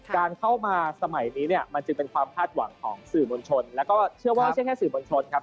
การเข้ามาสมัยนี้เนี่ยมันจึงเป็นความคาดหวังของสื่อมวลชนแล้วก็เชื่อว่าไม่ใช่แค่สื่อมวลชนครับ